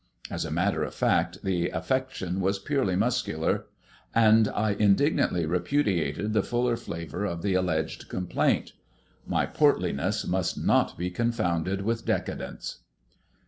As a matter of fact the affection was purely muscular, and I indignantly repudiated the fuller flavour of the alleged complaint. My portliness must not be confounded with decadence.